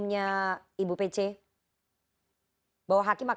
pertanyaannya ibu pc bahwa hakim akan menolak